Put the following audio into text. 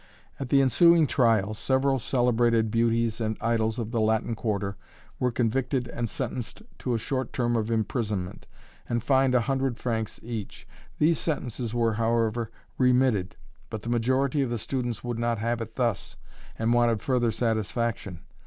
At the ensuing trial, several celebrated beauties and idols of the Latin Quarter were convicted and sentenced to a short term of imprisonment, and fined a hundred francs each. These sentences were, however, remitted, but the majority of the students would not have it thus, and wanted further satisfaction.